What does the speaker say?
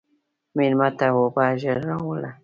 مېلمه ته اوبه ژر راوله.